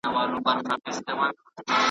¬ له ږيري ئې واخيست پر برېت ئې کښېښووی.